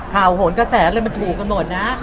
ข่าวหนตะแสนเลยมันถูกกันหมดนะ